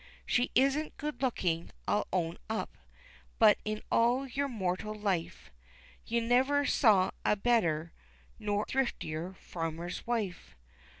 She isn't good looking, I'll own up, But in all your mortal life, You never saw a better Nor thriftier farmer's wife.